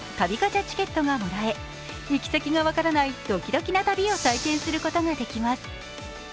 チケットがもらえ行先が分からないドキドキな旅を体験することができます。